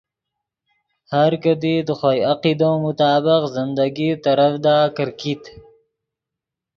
ہر کیدی دے خوئے عقیدو مطابق زندگی ترڤدا کرکیت